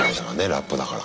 ラップだから。